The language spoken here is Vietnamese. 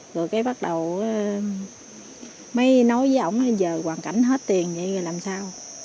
rồi cái bắt đầu mới nói với ổng là giờ hoàn cảnh hết tiền vậy làm sao